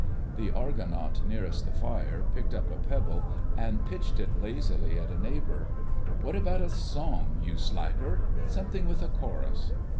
The Argonaut nearest the fire picked up a pebble and pitched it lazily at a neighbour. "What about a song, you slacker! Something with a chorus."